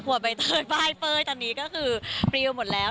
ใบเตยป้ายเป้ยตอนนี้ก็คือปริวหมดแล้ว